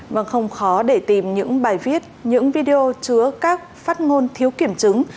vâng không khó để tìm những bài viết những video chứa các phát ngôn thiếu kiểm chứng